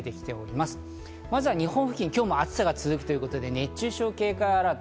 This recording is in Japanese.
まずは日本付近、暑さが続くということで熱中症警戒アラート。